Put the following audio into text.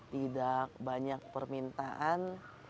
tidak banyak permintaan